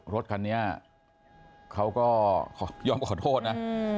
รถคันนี้เขาก็ยอมขอโทษนะ